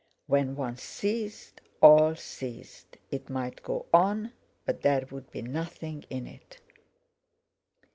When one ceased, all ceased; it might go on, but there'd be nothing in it!